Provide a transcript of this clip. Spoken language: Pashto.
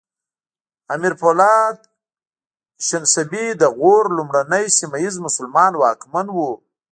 امیر پولاد شنسبی د غور لومړنی سیمه ییز مسلمان واکمن و